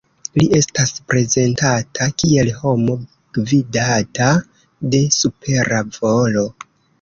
Li estas prezentata kiel homo gvidata de supera volo.